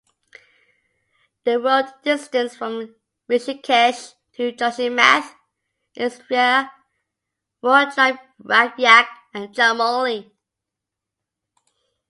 The road distance from Rishikesh to Joshimath is via Rudraprayag and Chamoli.